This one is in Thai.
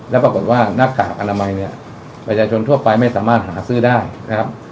แล้วปรากฏว่าหน้ากากอนามัยเนี่ยประชาชนทั่วไปไม่สามารถหาซื้อได้นะครับ